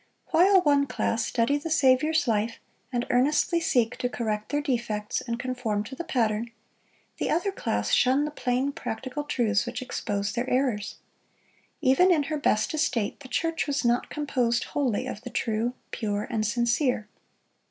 While one class study the Saviour's life, and earnestly seek to correct their defects and conform to the Pattern, the other class shun the plain, practical truths which expose their errors. Even in her best estate, the church was not composed wholly of the true, pure, and sincere.